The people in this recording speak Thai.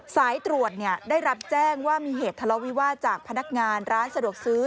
สายตรวจได้รับแจ้งว่ามีเหตุทะเลาวิวาสจากพนักงานร้านสะดวกซื้อ